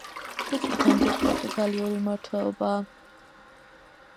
იქ დღემდე პორტუგალიური მმართველობაა.